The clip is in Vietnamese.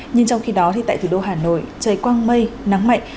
nhưng trong khi đó thì tại thủ đô hà nội trời quang mây nắng mạnh